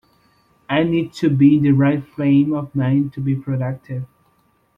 I need to be in the right frame of mind to be productive.